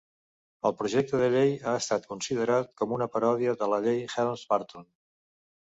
El projecte de llei ha estat considerat com una paròdia de la llei Helms-Burton.